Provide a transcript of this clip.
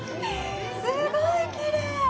すごいきれい。